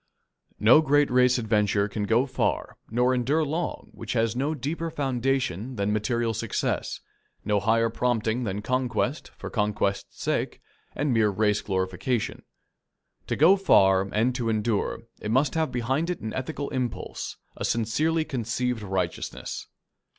No great race adventure can go far nor endure long which has no deeper foundation than material success, no higher prompting than conquest for conquest's sake and mere race glorification. To go far and to endure, it must have behind it an ethical impulse, a sincerely conceived righteousness.